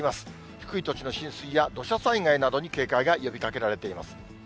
低い土地の浸水や土砂災害などに警戒が呼びかけられています。